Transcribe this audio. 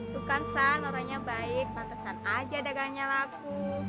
bukan san orangnya baik pantesan aja dagangnya laku